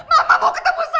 mama mau ketemu sama andi